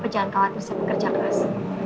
tapi jangan khawatir saya bekerja keras